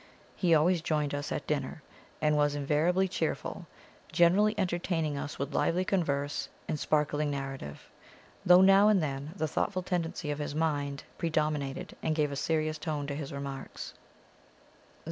He always joined us at dinner, and was invariably cheerful, generally entertaining us with lively converse and sparkling narrative, though now and then the thoughtful tendency of his mind predominated, and gave a serious tone to his remarks.